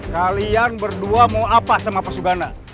kalian berdua mau apa sama pak sugana